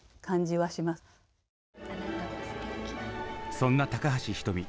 そんな高橋ひとみ。